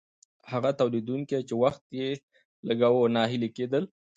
هغه تولیدونکي چې وخت یې لګاوه ناهیلي کیدل.